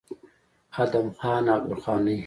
ادم خان او درخانۍ